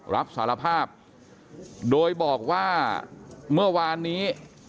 รับสารภาพโดยบอกว่าเมื่อวานนี้